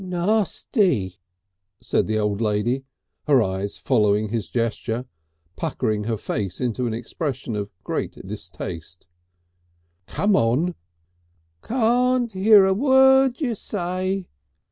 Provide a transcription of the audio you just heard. "Nasty!" said the old lady, her eyes following his gesture, puckering her face into an expression of great distaste. "Come on!" "Can't hear a word you say."